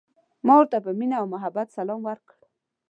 ما ورته په مینه او محبت سلام وکړ.